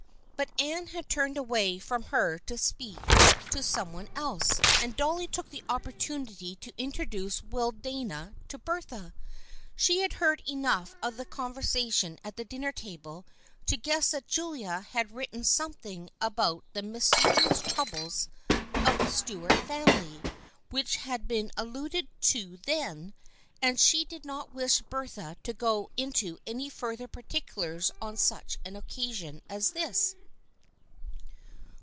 " But Anne had turned away from her to speak to THE FKIENDSHIP OF ANNE 203 some one else, and Dolly took the opportunity to introduce Will Dana to Bertha. She had heard enough of the conversation at the dinner table to guess that Julia had written something about the mysterious troubles of the Stuart family which had been alluded to then, and she did not wish Bertha to go into any further particulars on such an occa sion as this.